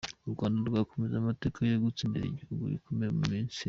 U Rwanda rwakoze amateka yo gutsinda igihugu gikomeye nka Misiri